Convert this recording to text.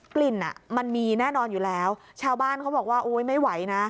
กลิ่นอ่ะมันมีแน่นอนอยู่แล้วชาวบ้านเขาบอกว่าโอ้ยไม่ไหวนะ